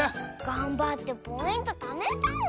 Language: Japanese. がんばってポイントためたのに。